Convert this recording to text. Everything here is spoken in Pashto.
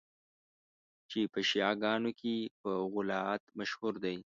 چي په شیعه ګانو کي په غُلات مشهور دي.